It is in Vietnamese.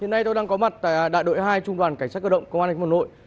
hiện nay tôi đang có mặt tại đại đội hai trung đoàn cảnh sát cơ động công an thánh phục hồn nội